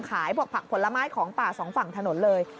ขายพวกผักผลไม้ของป่าสองฝั่งถนนเลย